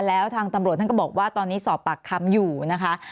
แล้วทางตำรวจท่านก็บอกว่าตอนนี้สอบปากคำอยู่นะคะ